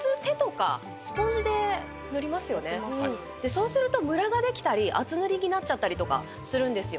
そうするとむらができたり厚塗りになっちゃったりとかするんですよ。